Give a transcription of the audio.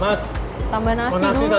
mas tambah nasi dulu emang rizky